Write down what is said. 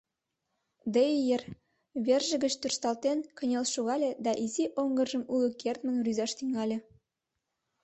Дейер верже гыч тӧршталтен кынел шогале да изи оҥгыржым уло кертмын рӱзаш тӱҥале.